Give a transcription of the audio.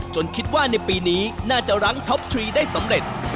คิดว่าในปีนี้น่าจะรั้งท็อปทรีได้สำเร็จ